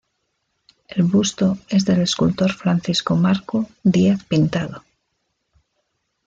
El busto es del escultor Francisco Marco Díaz-Pintado.